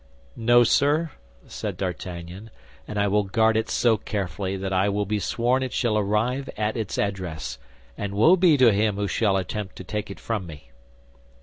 "No, sir," said D'Artagnan; "and I will guard it so carefully that I will be sworn it shall arrive at its address, and woe be to him who shall attempt to take it from me!"